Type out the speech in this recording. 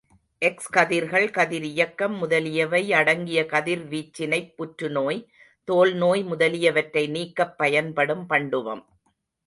X கதிர்கள், கதிரியக்கம் முதலியவை அடங்கிய கதிர்வீச்சினைப் புற்றுநோய், தோல் நோய் முதலிய வற்றை நீக்கப் பயன்படும் பண்டுவம்.